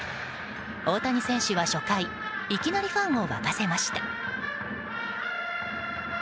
大谷選手は初回いきなりファンを沸かせました。